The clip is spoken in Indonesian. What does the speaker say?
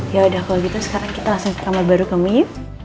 ya udah kalau gitu sekarang kita langsung ke kamar baru kamu yuk